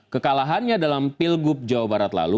kekalahannya dalam pilgub jawa barat lalu